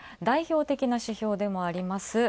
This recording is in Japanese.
代表的な指標でもあります